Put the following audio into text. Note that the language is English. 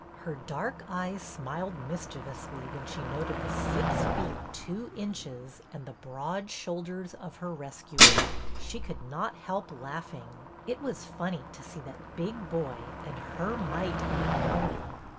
Her dark eyes smiled mischievously, when she noted the six feet two inches and the broad shoulders of her rescuer. She could not help laughing. It was funny to see that big boy and her mite of a pony.